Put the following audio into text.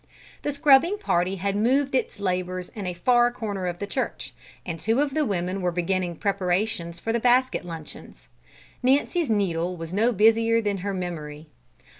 The scrubbing party had moved to its labours in a far corner of the church, and two of the women were beginning preparations for the basket luncheons. Nancy's needle was no busier than her memory.